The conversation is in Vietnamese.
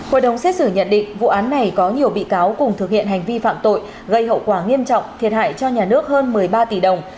hội đồng xét xử nhận định vụ án này có nhiều bị cáo cùng thực hiện hành vi phạm tội gây hậu quả nghiêm trọng thiệt hại cho nhà nước hơn một mươi ba tỷ đồng